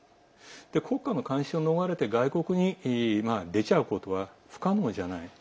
国家の監視を逃れて外国に出ちゃうことは不可能ではない。